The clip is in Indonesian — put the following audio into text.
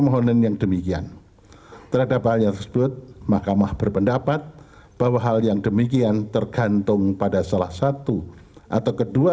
hal tersebut mahkamah berpendapat bahwa hal yang demikian tergantung pada salah satu atau kedua